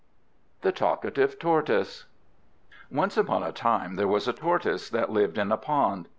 THE TALKATIVE TORTOISE Once upon a time there was a Tortoise that lived in a pond.